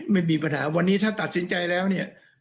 ไม่มีปัญหาวันนี้ถ้าตัดสินใจแล้วเนี่ย